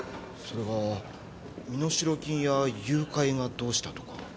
それが身代金や誘拐がどうしたとか。